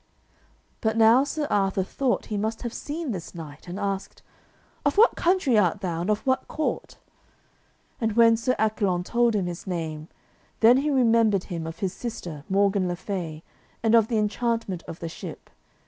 But now Sir Arthur thought he must have seen this knight, and asked, "Of what country art thou, and of what court?" And when Sir Accolon told him his name, then he remembered him of his sister, Morgan le Fay, and of the enchantment of the ship.